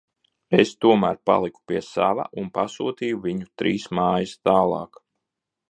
Es tomēr paliku pie sava un pasūtīju viņu trīs mājas tālāk..